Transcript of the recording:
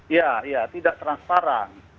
iya tidak transparan